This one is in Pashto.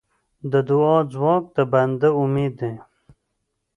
د دعا ځواک د بنده امید دی.